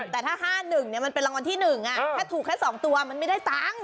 แต่ถ้า๕๑มันเป็นรางวัลที่๑ถ้าถูกแค่๒ตัวมันไม่ได้ตังค์